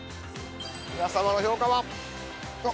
皆様の評価は。